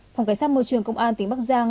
phòng cảnh sát môi trường công an tỉnh bắc giang